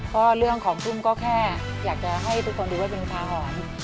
เพราะเรื่องขอบคุณก็แค่อยากจะให้ทุกคนดูว่าเป็นลูกค้าหอม